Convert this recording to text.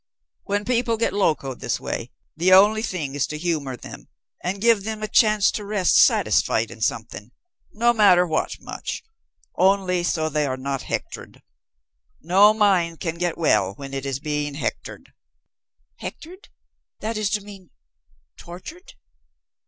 "When people get locoed this way, the only thing is to humor them and give them a chance to rest satisfied in something no matter what, much, only so they are not hectored. No mind can get well when it is being hectored." "Hectored? That is to mean tortured?